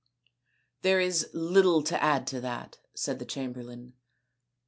" There is little to add to that," said the chamber lain.